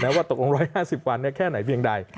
แม้ว่าตกลง๑๕๐วันเนี่ยแค่ไหนเพียงใด